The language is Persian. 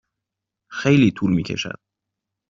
خیلی طول می کشد.